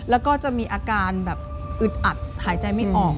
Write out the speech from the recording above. แล้วก็จะมีอาการแบบอึดอัดหายใจไม่ออก